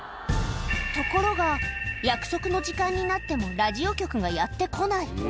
ところが、約束の時間になってもラジオ局がやって来ない。